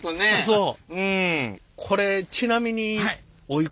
そう。